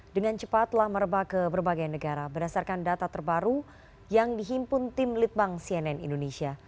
dengan cepat telah merebak ke berbagai negara berdasarkan data terbaru yang dihimpun tim litbang cnn indonesia